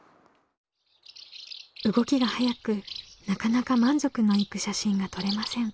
動きが速くなかなか満足のいく写真が撮れません。